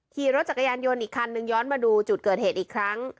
ขี่รถจักรยานยนต์อีกคันนึงย้อนมาดูจุดเกิดเหตุอีกครั้ง